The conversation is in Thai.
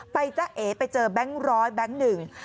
จ้าเอไปเจอแบงค์ร้อยแบงค์หนึ่ง